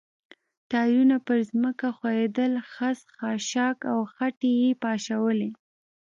ټایرونه پر ځمکه ښویېدل، خس، خاشاک او خټې یې پاشلې.